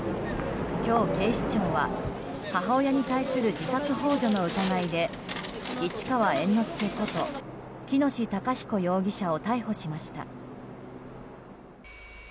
今日、警視庁は母親に対する自殺幇助の疑いで市川猿之助こと喜熨斗孝彦容疑者を逮捕しました。